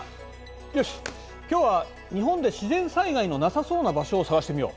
よし今日は日本で自然災害のなさそうな場所を探してみよう。